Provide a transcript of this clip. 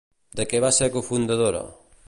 De què va ser cofundadora?